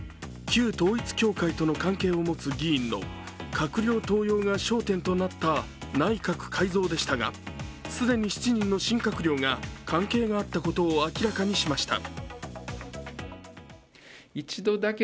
旧統一教会との関係を持つ議員の閣僚登用が焦点となった内閣改造でしたが、既に７人の新閣僚が関係があったことを明らかにしました。